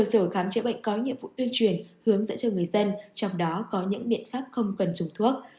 các cơ sở khám chữa bệnh có nhiệm vụ tuyên truyền hướng dẫn cho người dân trong đó có những biện pháp không cần trùng thuốc